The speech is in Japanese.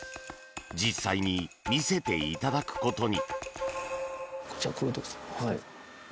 実際に見せていただくことに。